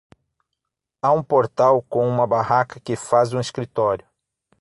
Há um portal com uma barraca que faz um escritório.